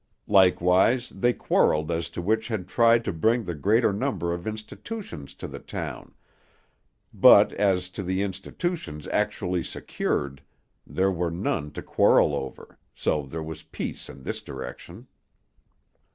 Likewise, they quarrelled as to which had tried to bring the greater number of institutions to the town; but as to the institutions actually secured, there were none to quarrel over, so there was peace in this direction.